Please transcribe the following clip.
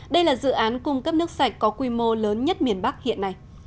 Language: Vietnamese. đây là dự án cung cấp nước sạch có quy mô lớn nhất miền bắc hiện nay